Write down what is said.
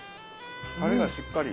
たれがしっかり。